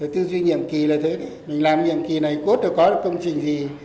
tư duy nhiệm kỳ là thế đấy mình làm nhiệm kỳ này cốt được có công trình gì